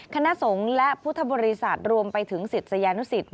คณะสงฆ์และพุทธบริษัทรวมไปถึงศิษยานุสิต